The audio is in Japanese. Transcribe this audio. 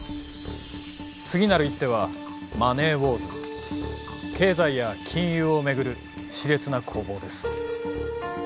次なる一手はマネー・ウォーズ経済や金融を巡るしれつな攻防です。